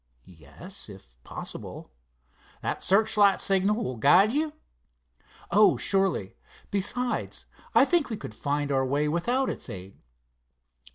"Yes, if possible." "That searchlight signal will guide you?" "Oh, surely. Besides, I think we could find our way without its aid."